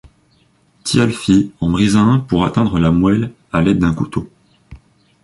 Thialfi en brisa un pour atteindre la moelle à l'aide d'un couteau.